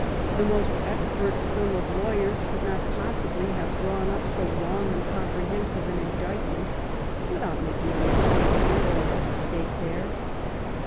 The most expert firm of lawyers could not possibly have drawn up so long and compre hensive an indictment without making a mistake here or a mistake there.